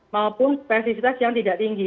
maupun spesisitas yang tidak tinggi